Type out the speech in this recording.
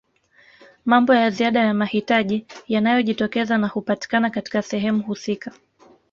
Mambo ya ziada ya mahitaji yanayojitokeza na hupatikana katika sehemu husika